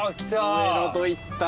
上野といったら。